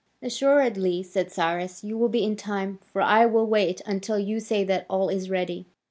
"Assuredly," said Cyrus, "you will be in time: for I will wait until you say that all is ready."